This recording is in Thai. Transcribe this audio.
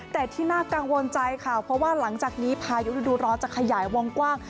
แต่ที่น่ากังวลใจค่ะเพราะว่าหลังจากนี้พายุฤดูร้อนจะขยายวงกว้าง